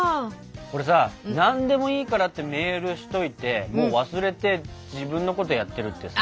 これさ「何でもいいから」ってメールしといてもう忘れて自分のことやってるってさ。